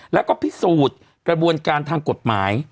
แล้วก็พิสูจน์กระบวนการทางกฎหมาย